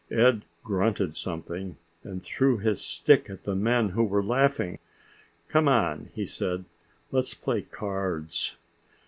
Ed grunted something, and threw his stick at the men who were laughing. "Come on," he said, "let's play cards."